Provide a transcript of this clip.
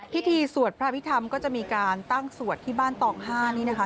พิธีสวดพระพิธรรมก็จะมีการตั้งสวดที่บ้านตอง๕นี่นะคะ